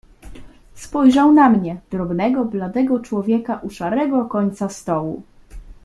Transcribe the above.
"Spojrzał na mnie, drobnego, bladego człowieka u szarego końca stołu."